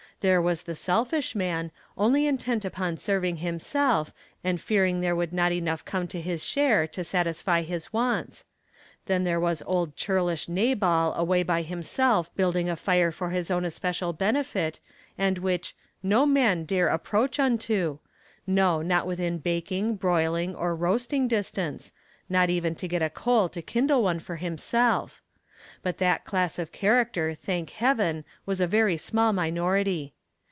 There was the selfish man, only intent upon serving himself, and fearing there would not enough come to his share to satisfy his wants; then there was old churlish Nabal away by himself building a fire for his own especial benefit, and which "no man dare approach unto," no, not within baking, broiling, or roasting distance, not even to get a coal to kindle one for himself. But that class of character, thank heaven, was a very small minority.